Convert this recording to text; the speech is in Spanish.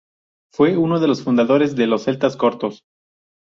Fue uno de los fundadores de los Celtas Cortos.